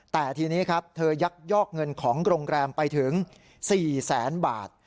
แต่ทีนี้ครับเธอยักยอกเงินของโรงแรมไปถึง๔แสนบาท